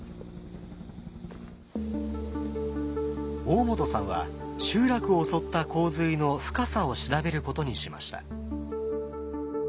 大本さんは集落を襲った洪水の深さを調べることにしました。